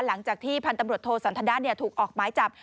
หลังจากที่พันธุ์ตำรวจโทสันทนะถูกออกหมายจับ